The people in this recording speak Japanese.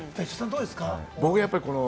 どうですか？